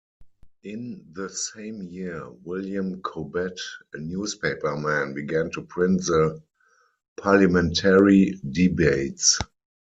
In the same year, William Cobbett, a newspaperman, began to print the "Parliamentary Debates".